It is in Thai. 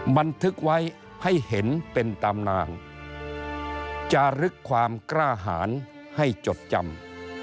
บันทึกไว้ให้เห็นเป็นตามนางจะลึกความกล้าหารให้จดจำ